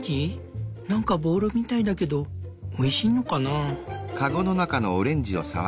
何かボールみたいだけどおいしいのかな？